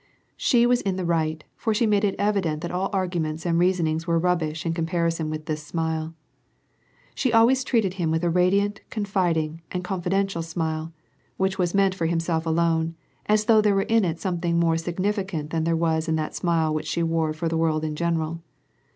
She was in the right, for she made it evident that all arguments and reasonings were rubbish in comparison with this smile. She always treated him with a radiant, confiding, and confi dential smile, which was meant for himself alone, as though there were in it something more significant than there was in that smile which she wore for the world in general.